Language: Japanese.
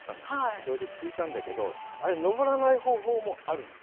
それで聞いたんだけど、あれ、登らない方法もあるんです。